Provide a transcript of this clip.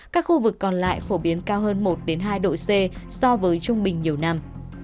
các khu vực còn lại phổ biến cao hơn một hai độ c so với trung bình nhiều năm